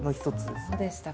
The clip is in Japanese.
そうでしたか。